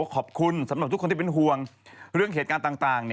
ขอบคุณสำหรับทุกคนที่เป็นห่วงเรื่องเหตุการณ์ต่าง